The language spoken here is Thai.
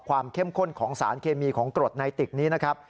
เข้มข้นของสารเคมีของกรดในติกนี้นะครับ